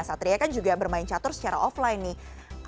satria kan juga bermain catur secara offline nih